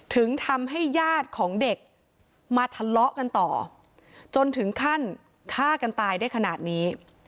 ถึงทำให้ญาติของเด็กมาทะเลาะกันต่อจนถึงขั้นฆ่ากันตายได้ขนาดนี้